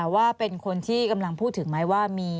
ว่าเป็นคนที่กำลังพูดถึงไหมว่ามี